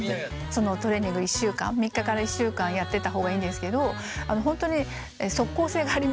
そのトレーニング３日から１週間やってたほうがいいんですけど本当に即効性がありまして。